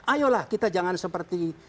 ayolah kita jangan seperti